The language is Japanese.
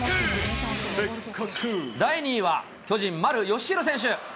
第２位は、巨人、丸佳浩選手。